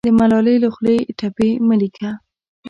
د ملالۍ له خولې ټپې مه لیکه